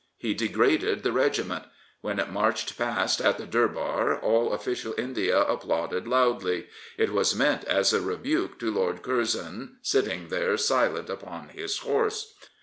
He degraded the regiment. When it marched past at the Durbar all official India applauded loudly. It was meant as a rebuke to Lord Curzon, sitting there silent upon his horse.